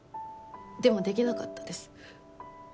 でもできなかったです。